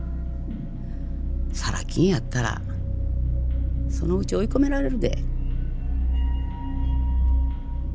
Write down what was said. サラ金やったらそのうち追い込められるで。